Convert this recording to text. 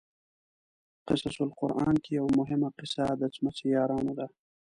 قصص القران کې یوه مهمه قصه د څمڅې یارانو ده.